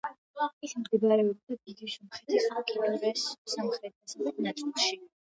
ის მდებარეობდა დიდი სომხეთის უკიდურეს სამხრეთ-დასავლეთ ნაწილში.